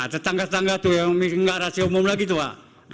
cetangga cetangga itu yang tidak rasa umum lagi itu pak